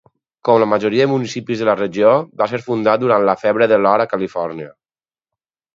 Com la majoria de municipis de la regió, va ser fundat durant la febre de l'or a Califòrnia.